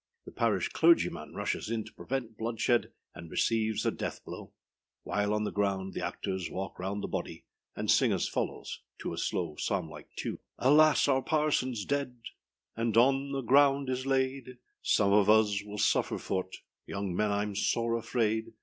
The PARISH CLERGYMAN rushes in to prevent bloodshed, and receives a death blow. While on the ground, the actors walk round the body, and sing as follows, to a slow, psalm like tune:â Alas! our parsonâs dead, And on the ground is laid; Some of us will suffer forât, Young men, Iâm sore afraid.